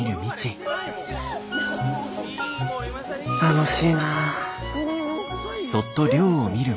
楽しいな。